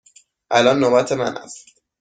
الان نوبت من است.